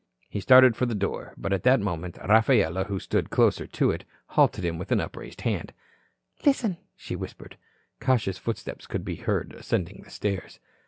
He started for the door. But at that moment Rafaela, who stood closer to it, halted him with upraised hand. "Listen," she whispered. Cautious footsteps could be heard ascending the stairs.